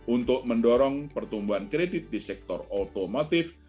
untuk mendorong pertumbuhan kredit di sektor otomotif